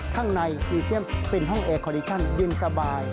ข้างในซีเซียมเป็นห้องแอร์คอดิชันเย็นสบาย